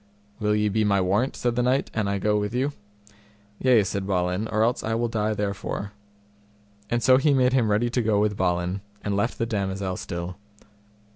Will ye be my warrant, said the knight, an I go with you? Yea, said Balin, or else I will die therefore. And so he made him ready to go with Balin, and left the damosel still.